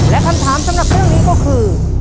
และคำถามสำหรับเรื่องนี้ก็คือ